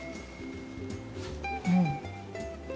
うん！